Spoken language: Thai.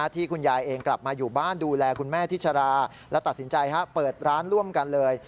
ที่คุณยายเองกลับมาอยู่บ้านดูแลคุณแม่ที่ชราและตัดสินใจเปิดร้านร่วมกันเลย